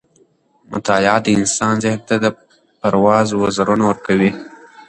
مطالعه د انسان ذهن ته د پرواز وزرونه ورکوي.